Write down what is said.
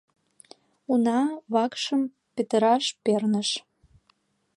Уна, вакшым петыраш перныш.